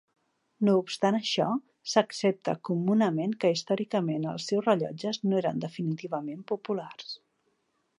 No obstant això, s'accepta comunament que històricament els seus rellotges no eren definitivament populars.